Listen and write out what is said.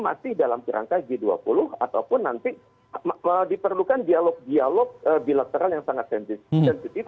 masih dalam kerangka g dua puluh ataupun nanti diperlukan dialog dialog bilateral yang sangat sensitif